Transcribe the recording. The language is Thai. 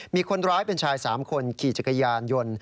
มีคนร้ายเป็นชาย๓คนขี่จักรยานยนต์